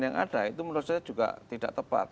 yang ada itu menurut saya juga tidak tepat